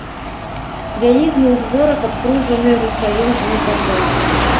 Вялізны ўзгорак, абкружаны ручаём з двух бакоў.